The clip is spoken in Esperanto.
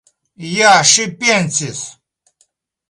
Ja ŝi pensis!